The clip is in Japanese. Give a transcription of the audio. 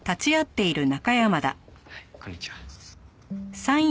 はいこんにちは。